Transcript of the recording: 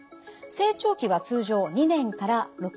成長期は通常２年から６年です。